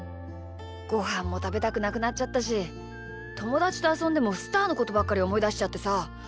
ごはんもたべたくなくなっちゃったしともだちとあそんでもスターのことばっかりおもいだしちゃってさ。